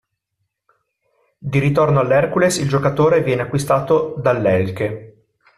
Di ritorno all'Hercules il giocatore viene acquistato dall'Elche.